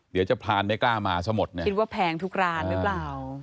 เดี๋ยวจะพรานไม่กล้ามาซะหมดเนี่ยคิดว่าแพงทุกร้านหรือเปล่า